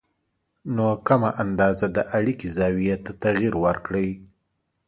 نو کمه اندازه د اړیکې زاویې ته تغیر ورکړئ